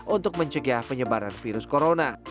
untuk mencegah penyebaran virus corona